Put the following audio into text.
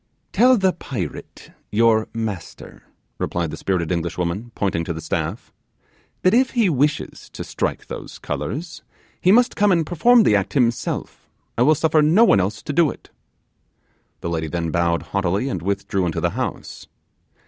'Tell the Pirate your master,' replied the spirited Englishwoman, pointing to the staff, 'that if he wishes to strike these colours, he must come and perform the act himself; I will suffer no one else to do it.' The lady then bowed haughtily and withdrew into the house.